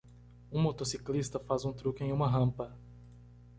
Um motociclista faz um truque em uma rampa.